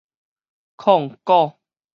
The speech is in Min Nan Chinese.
控股